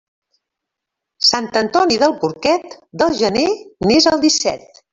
Sant Antoni del porquet del gener n'és el disset.